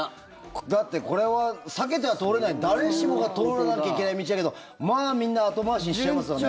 だってこれは避けては通れない誰しもが通らなきゃいけない道だけどまあ、みんな後回しにしちゃいますよね。